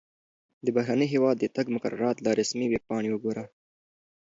د بهرني هیواد د تګ مقررات له رسمي ویبپاڼې وګوره.